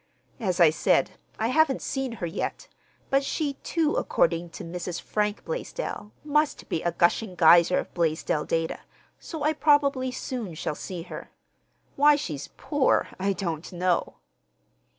As I said, I haven't seen her yet, but she, too, according to Mrs. Frank Blaisdell, must be a gushing geyser of Blaisdell data, so I probably soon shall see her. Why she's "poor" I don't know.